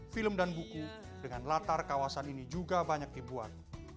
film dan buku dengan latar kawasan ini juga banyak dibuat